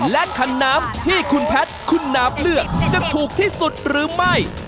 และขันน้ำที่คุณแพทย์คุณนาฟเลือกจะถูกที่สุดหรือไม่